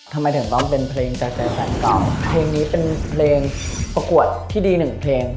ทำไมถึงต้องเป็นเพลงจากใจแฟนเก่าเพลงนี้เป็นเพลงประกวดที่ดีหนึ่งเพลง